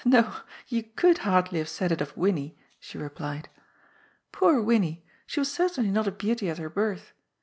'' No, you could hardly have said it of Winnie," she replied. " Poor Winnie ! she was certainly not a beauty at her birth.